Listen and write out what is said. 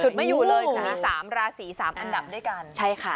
ไม่อยู่เลยคือมีสามราศีสามอันดับด้วยกันใช่ค่ะ